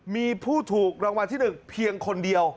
มีผู้ถูกรางวัลที่๑เพียงคนเดียว